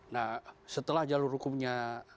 nah setelah jalur hukumnya